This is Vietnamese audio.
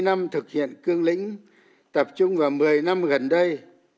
ba mươi năm thực hiện cương lĩnh tập trung vào một mươi năm gần đây